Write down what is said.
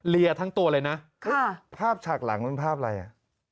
ทั้งตัวเลยนะภาพฉากหลังมันภาพอะไรอ่ะ